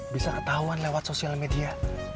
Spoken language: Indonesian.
bisa ketahuan lewat sosial media